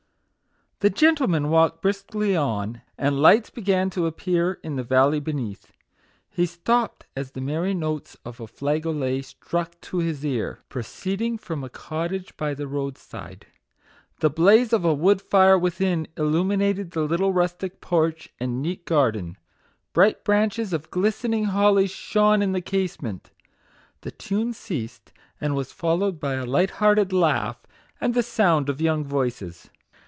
The gentleman walked briskly on, and lights MAGIC WORDS. 5 began to appear in the valley beneath. He stopped as the merry notes of a flageolet struck his ear, proceeding from a cottage by the road side. The blaze of a wood fire within illumined the little rustic porch and neat garden. Bright branches of glistening holly shone in the tiny casement. The tune ceased, and was followed by a light hearted laugh and the sound of young voices.